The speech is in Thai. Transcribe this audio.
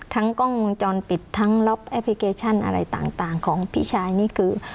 กล้องวงจรปิดทั้งล็อบแอปพลิเคชันอะไรต่างของพี่ชายนี่คือ